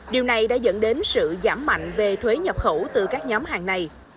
điều này đã dẫn đến sự giảm mạnh về thuế nhập khẩu từ các nhóm hàng này